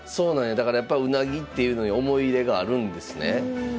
だからやっぱうなぎっていうのに思い入れがあるんですね。